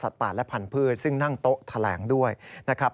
ป่าและพันธุ์ซึ่งนั่งโต๊ะแถลงด้วยนะครับ